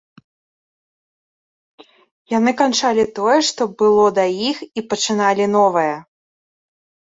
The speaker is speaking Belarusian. Яны канчалі тое, што было да іх, і пачыналі новае.